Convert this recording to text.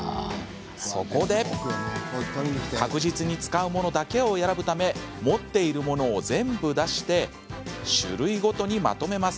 そこで確実に使うものだけを選ぶため持っているものを全部を出して種類ごとにまとめます。